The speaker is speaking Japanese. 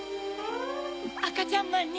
あかちゃんまんに。